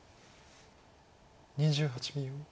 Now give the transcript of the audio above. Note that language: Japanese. ２８秒。